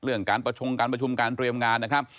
เรื่องการประชงการประชุมการเตรียมงานนะครับ